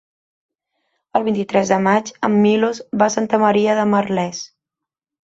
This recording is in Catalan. El vint-i-tres de maig en Milos va a Santa Maria de Merlès.